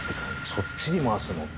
そっちに回すの？って。